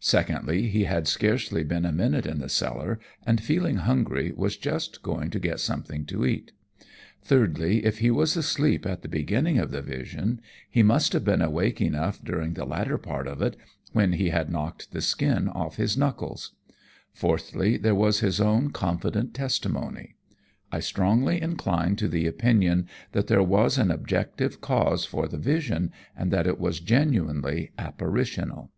Secondly, he had scarcely been a minute in the cellar, and, feeling hungry, was just going to get something to eat. Thirdly, if he was asleep at the beginning of the vision, he must have been awake enough during the latter part of it when he had knocked the skin off his knuckles. Fourthly, there was his own confident testimony. I strongly incline to the opinion that there was an objective cause for the vision, and that it was genuinely apparitional."